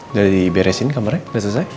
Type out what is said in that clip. udah diberesin kamarnya udah selesai